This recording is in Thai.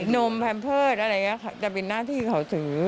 นมแพมเพอร์ธอะไรเงี้ยจะเป็นน่าที่เขาซื้อ